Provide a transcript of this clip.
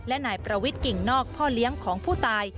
และนายประวิทย์กิ่งนอกพ่อเลี้ยงของผู้ตาย